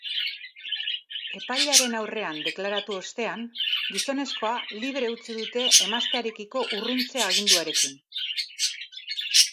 Epailearen aurrean deklaratu ostean, gizonezkoa libre utzi dute emaztearekiko urruntze aginduarekin.